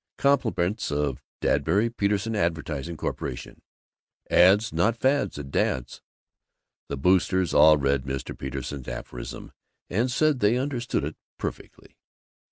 Compliments of Dadbury Petersen Advertising Corp. "Ads, not Fads, at Dad's" The Boosters all read Mr. Peterson's aphorism and said they understood it perfectly.